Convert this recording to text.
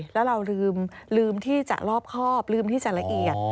แล้วเราลืมที่จะรอบครอบลืมที่จะละเอียด